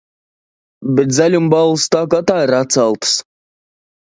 Bet zaļumballes tā kā tā ir atceltas.